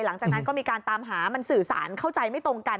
หลังจากนั้นก็มีการตามหามันสื่อสารเข้าใจไม่ตรงกัน